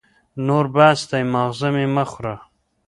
نور بس دی ، ماغزه مي مه خوره !